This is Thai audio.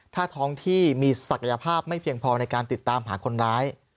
ถ้าท้องที่มีศักยภาพไม่เพียงพอในการติดตามหาคนร้าย